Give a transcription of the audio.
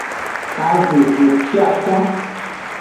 Kavehociaton.